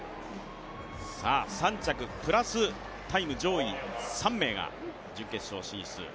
３着プラス、タイム上位３名が準決勝進出。